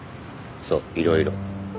そういろいろ。